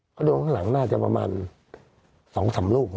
เขาโดนข้างหลังน่าจะประมาณ๒๓ลูก